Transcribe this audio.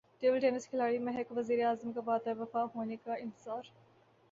table tennis کھلاڑی مہک کو وزیراعظم کا وعدہ وفا ہونے کا انتظار